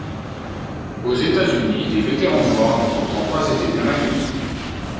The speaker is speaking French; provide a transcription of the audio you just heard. Aux États-Unis, les vétérans noirs n'ont pourtant pas été bien accueillis.